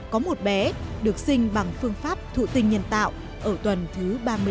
có một bé được sinh bằng phương pháp thụ tình nhân tạo ở tuần thứ ba mươi năm